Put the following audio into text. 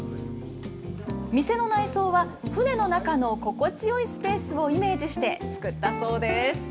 店の内装は、船の中の心地よいスペースをイメージして作ったそうです。